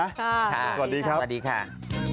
ค่ะสวัสดีครับสวัสดีค่ะสวัสดีครับ